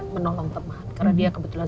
menolong teman karena dia kebetulan